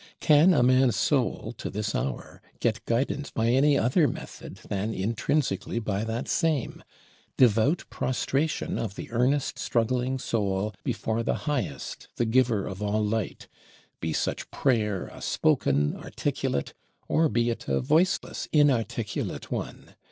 Can a man's soul, to this hour, get guidance by any other method than intrinsically by that same, devout prostration of the earnest struggling soul before the Highest, the Giver of all Light; be such prayer a spoken, articulate, or be it a voiceless, inarticulate one?